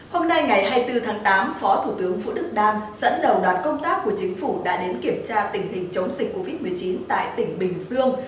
hôm nay ngày hai mươi bốn tháng tám phó thủ tướng vũ đức đam dẫn đầu đoàn công tác của chính phủ đã đến kiểm tra tình hình chống dịch covid một mươi chín tại tỉnh bình dương